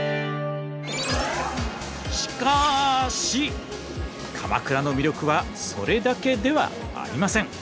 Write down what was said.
しかし鎌倉の魅力はそれだけではありません！